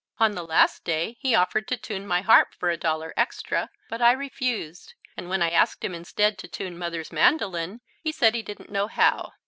On the last day he offered to tune my harp for a dollar extra, but I refused, and when I asked him instead to tune Mother's mandoline he said he didn't know how.